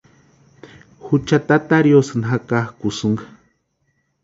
Jucha tata riosïni jakakʼusïnka.